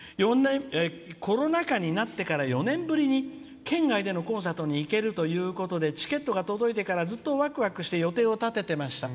「コロナ禍になってから４年ぶりに県外でのコンサートにいけるということでチケットが届いてからずっとワクワクして予定を立てていました」。